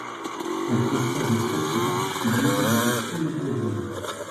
Elle conserve un statut particulier durant tout l'Empire romain.